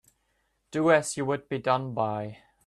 Do as you would be done by.